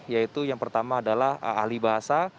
yaitu yang pertama adalah ahli bahasa